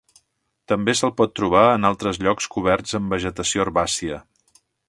També se'l pot trobar en altres llocs coberts amb vegetació herbàcia.